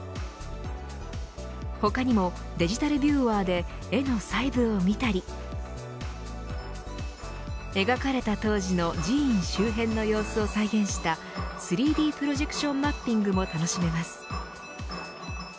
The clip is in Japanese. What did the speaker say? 他にもデジタルビューワーで絵の細部を見たり描かれた当時の寺院周辺の様子を再現した３Ｄプロジェクションマッピングも楽しめます。